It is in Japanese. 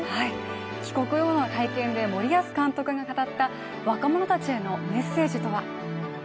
帰国後の会見で森保監督が語った若者たちへのメッセージとは？